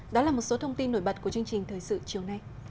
đó là một số thông tin nổi bật của chương trình thời sự chiều nay